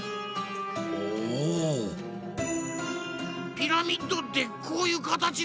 ピラミッドってこういうかたちなのか。